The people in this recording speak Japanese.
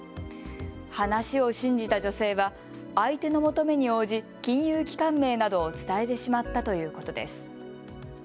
話を信じた女性は相手の求めに応じ、金融機関名などを伝えてしまったということです。